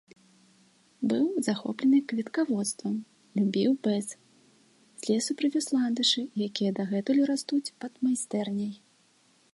Быў захоплены кветкаводствам, любіў бэз, з лесу прывёз ландышы, якія дагэтуль растуць пад майстэрняй.